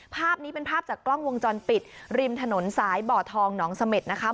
ภาพนี้เป็นภาพจากกล้องวงจรปิดริมถนนสายบ่อทองหนองเสม็ดนะคะ